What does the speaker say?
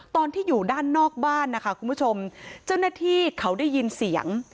ตอนที่อยู่ด้านนอกบ้านนะคะคุณผู้ชมเจ้าหน้าที่เขาได้ยินเสียง